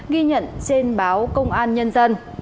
ghi nhận trên báo công an nhân dân